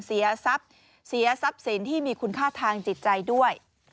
เสียทรัพย์เสียทรัพย์สินที่มีคุณค่าทางจิตใจด้วย